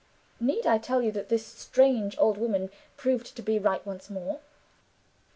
Need I tell you that this strange old woman proved to be right once more?